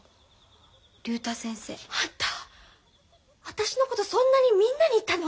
あんた私のことそんなにみんなに言ったの？